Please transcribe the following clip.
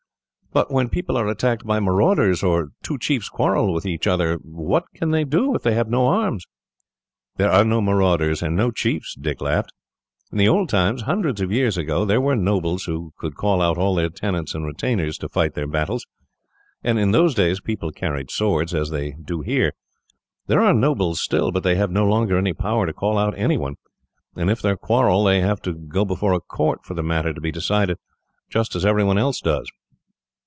"But, when people are attacked by marauders, or two chiefs quarrel with each other, what can they do if they have no arms?" "There are no marauders, and no chiefs," Dick laughed. "In the old times, hundreds of years ago, there were nobles who could call out all their tenants and retainers to fight their battles, and in those days people carried swords, as they do here. There are nobles still, but they have no longer any power to call out anyone, and if they quarrel they have to go before a court for the matter to be decided, just as everyone else does."